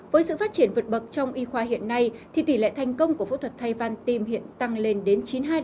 với sự phát triển vượt bậc trong y khoa hiện nay thì tỷ lệ thành công của phẫu thuật thay văn tim hiện tăng lên đến chín mươi hai chín mươi năm